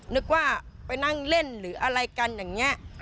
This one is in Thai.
นึกว่าไปนั่งเล่นหรืออะไรกันอย่างนี้